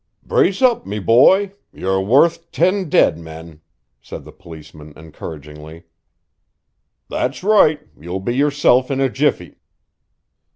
"Brace up, me boy! You're worth ten dead men," said the policeman encouragingly. "That's right! you'll be yourself in a jiffy."